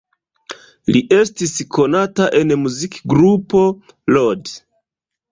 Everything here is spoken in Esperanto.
Li estis konata en muzikgrupo "Lord".